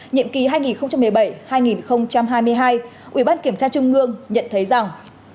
nhiệm kỳ hai nghìn một mươi bảy hai nghìn hai mươi hai ủy ban kiểm tra trung ương nhận thấy rằng